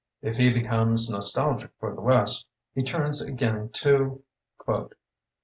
If he becomes nos talgic for the west, he turns again to ...